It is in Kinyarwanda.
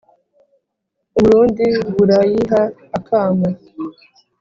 U Burundi burayiha akamo